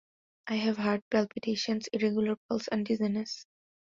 I have heart palpitation, irregular pulse and dizziness.